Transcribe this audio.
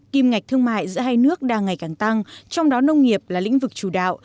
kim ngạch thương mại giữa hai nước đang ngày càng tăng trong đó nông nghiệp là lĩnh vực chủ đạo